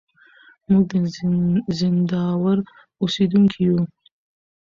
موږ د زينداور اوسېدونکي يو.